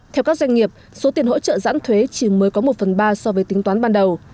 theo các doanh nghiệp số tiền hỗ trợ giãn thuế chỉ mới có một phần ba so với tính toán ban đầu